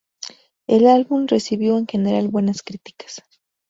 El álbum recibió en general buenas críticas.